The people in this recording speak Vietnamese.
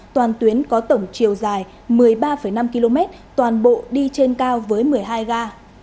toàn tuyến có tổng chiều dài một mươi ba năm km toàn bộ đi trên cao với một mươi hai ga